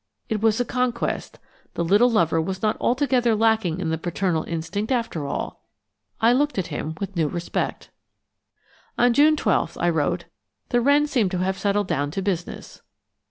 It was a conquest; the little lover was not altogether lacking in the paternal instinct after all! I looked at him with new respect. On June 12 I wrote: "The wrens seem to have settled down to business."